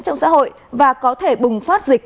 trong xã hội và có thể bùng phát dịch